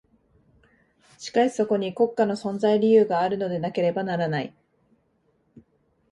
しかしそこに国家の存在理由があるのでなければならない。